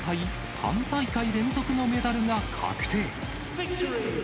３大会連続のメダルが確定。